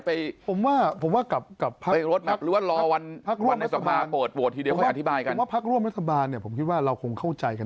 ผมว่ากลับพักร่วมรัฐบาลผมคิดว่าเราคงเข้าใจกัน